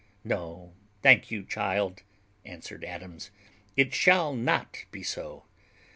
"No, thank you, child," answered Adams; "it shall not be so.